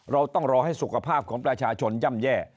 เราต้องรอให้สุขภาพของประชาชนย่ำแย่